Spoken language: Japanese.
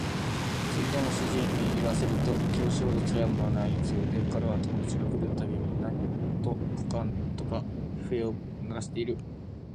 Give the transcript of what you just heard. それでも主人に言わせると教師ほどつらいものはないそうで彼は友達が来る度に何とかかんとか不平を鳴らしている